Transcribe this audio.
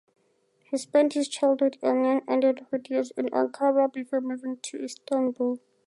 He spent his childhood and young adulthood years in Ankara before moving to Istanbul.